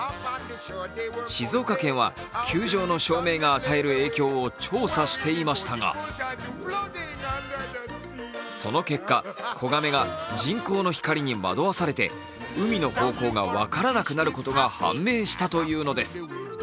静岡県は球場の照明が与える影響を調査していましたがその結果、子亀が人工の光に惑わされて海の方向が分からなくなることが判明したというのです。